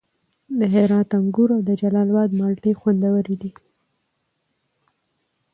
د هرات انګور او د جلال اباد مالټې خوندورې دي.